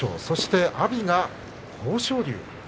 そして阿炎が豊昇龍。